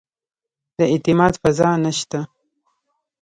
د اعتماد فضا نه شته.